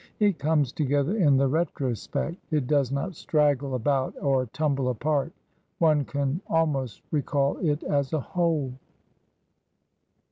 It comes together in the retrospect; it does not straggle about or tumble apart; one can al most recall it as a whole.